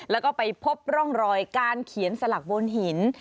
แล้วก็ไปพบร่องรอยการเขียนสลักบนหิน